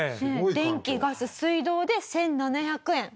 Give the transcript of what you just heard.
電気ガス水道で１７００円毎月。